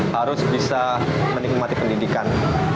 harus bisa menikmati pendidikan